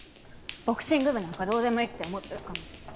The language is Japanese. ボクシング部なんかどうでもいいって思ってる感じ。